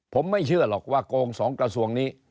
ผมไม่เชื่อหรอกว่าโกง๒กระทรวงนี้